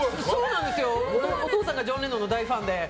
お父さんがジョン・レノンの大ファンで。